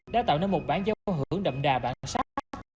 đã tạo nên một bản dấu ấn hưởng đậm đà bản sắc